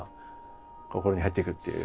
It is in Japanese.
心に入っていくっていう。